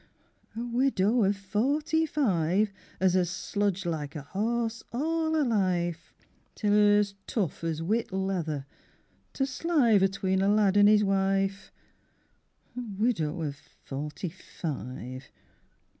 A widow of forty five As has sludged like a horse all her life, Till 'er's tough as whit leather, to slive Atween a lad an' 'is wife! A widow of forty five.